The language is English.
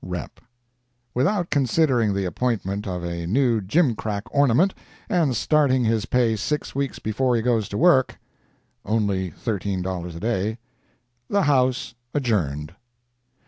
—REP.] Without considering the appointment of a new jimcrack ornament, and starting his pay six weeks before he goes to work ( only thirteen dollars a day), the House adjourned.